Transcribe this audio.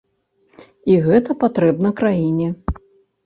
І гэта патрэбна краіне.